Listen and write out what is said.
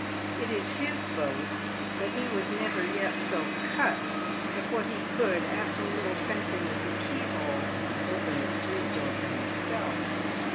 It is his boast that he was never yet so " cut" but what he could, after a little fencing with the keyhole, open the street door for himself.